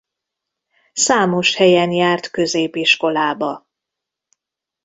Számos helyen járt középiskolába.